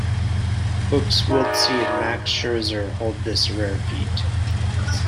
Hooks Wiltse and Max Scherzer hold this rare feat.